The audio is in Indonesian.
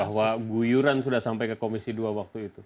bahwa guyuran sudah sampai ke komisi dua waktu itu